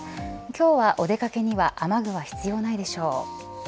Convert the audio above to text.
今日は、お出掛けには雨具は必要ないでしょう。